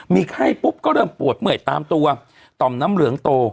มีไข้ปุ๊บก็เริ่มปวดเมื่อยตามตัวต่อมน้ำเหลืองโต